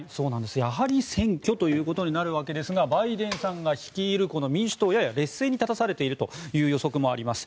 やはり選挙ということになるわけですがバイデンさんが率いる民主党はやや劣勢に立たされているという予測もあります。